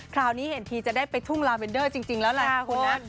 คราวนี้เห็นทีจะได้ไปทุ่งลาเวนเดอร์จริงแล้วแหละคุณนะ